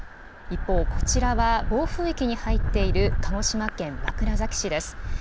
一方こちらは、暴風域に入っている鹿児島県枕崎市です。